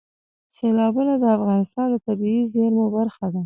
سیلابونه د افغانستان د طبیعي زیرمو برخه ده.